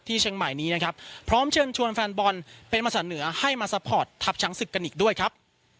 เชียงใหม่นี้นะครับพร้อมเชิญชวนแฟนบอลเป็นภาษาเหนือให้มาซัพพอร์ตทัพช้างศึกกันอีกด้วยครับ